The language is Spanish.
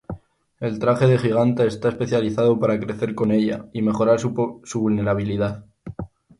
El traje de Giganta está especializado para crecer con ella y mejorar su vulnerabilidad.